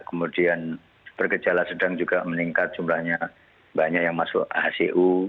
kemudian bergejala sedang juga meningkat jumlahnya banyak yang masuk hcu